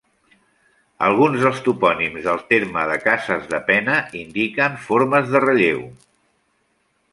Alguns dels topònims del terme de Cases de Pena indiquen formes de relleu.